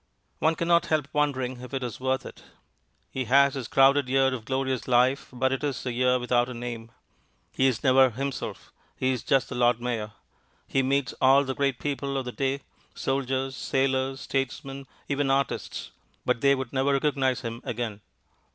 One cannot help wondering if it is worth it. He has his crowded year of glorious life, but it is a year without a name. He is never himself, he is just the Lord Mayor. He meets all the great people of the day, soldiers, sailors, statesmen, even artists, but they would never recognize him again.